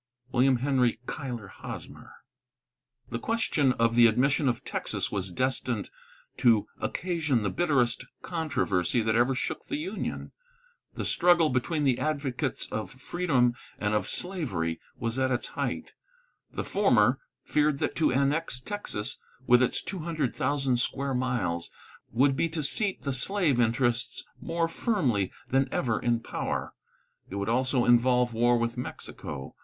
WILLIAM HENRY CUYLER HOSMER. The question of the admission of Texas was destined to occasion the bitterest controversy that ever shook the Union. The struggle between the advocates of freedom and of slavery was at its height; the former feared that to annex Texas, with its two hundred thousand square miles, would be to seat the slave interests more firmly than ever in power. It would also involve war with Mexico.